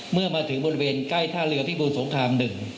เมื่อมาถึงบริเวณใกล้ท่าเรือพิบูรสงคราม๑